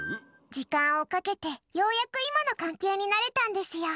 時間をかけてようやく今の関係になれたんですよ。